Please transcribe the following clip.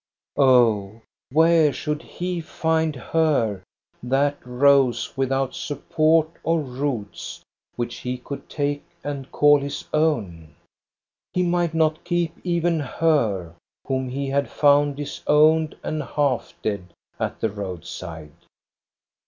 Oh, where should he find her, that rose without support or roots, which he could take and call his own? He might not keep even her whom he had found disowned and half dead at the roadside.